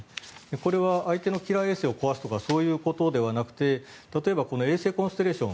これは相手のキラー衛星を壊すとかそういうことではなくて例えばこの衛星コンステレーション